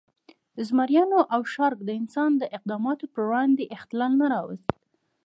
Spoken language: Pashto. زمریانو او شارک د انسان د اقداماتو پر وړاندې اختلال نه راوست.